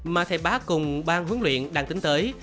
mà thầy bá cùng ban huấn luyện đang tính tới